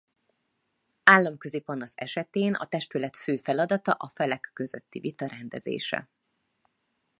Államközi panasz esetén a testület fő feladata a felek közötti vita rendezése.